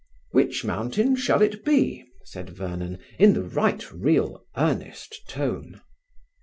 "Which mountain shall it be?" said Vernon, in the right real earnest tone.